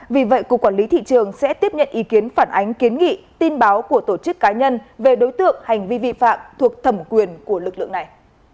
vì vậy cục quản lý thị trường sẽ tiếp nhận ý kiến phản ánh kiến nghị tin báo của tổ chức cá nhân về đối tượng hành vi vi phạm thuộc thẩm quyền của lực lượng này